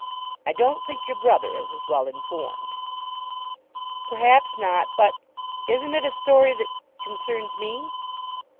I don't think your brother is as well informed." "Perhaps not. But isn't it a story that concerns me?"